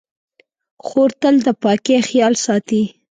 خور تل د پاکۍ خیال ساتي.